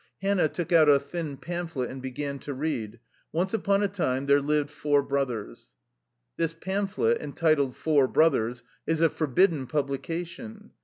Hannah took out a thin pamphlet and began to read :" Once upon a time there lived four brothers. ..." This pamphlet, entitled "Four Brothers," is a for bidden publication.